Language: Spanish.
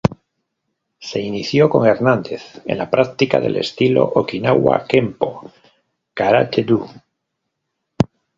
Se inició con Hernández en la práctica del estilo Okinawa Kempo Karate-do.